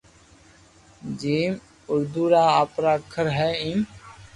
جيم اردو را آپرا اکر ھي ايم